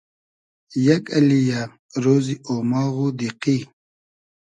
یئگ اللی یۂ رۉزی اۉماغ و دیقی